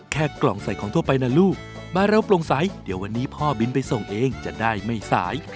แค่กล่องใส่ของทั่วไปนะลูกมาเร็วโปร่งใสเดี๋ยววันนี้พ่อบินไปส่งเองจะได้ไม่สาย